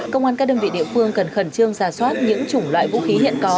công an các đơn vị địa phương cần khẩn trương giả soát những chủng loại vũ khí hiện có